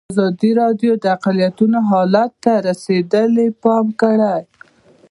ازادي راډیو د اقلیتونه حالت ته رسېدلي پام کړی.